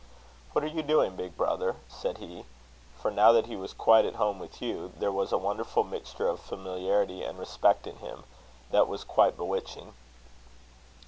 "What are you doing, big brother?" said he; for now that he was quite at home with Hugh, there was a wonderful mixture of familiarity and respect in him, that was quite bewitching.